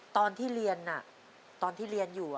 ตอนที่เรียนตอนที่เรียนอยู่